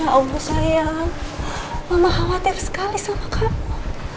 ya allah sayang mama khawatir sekali sama kamu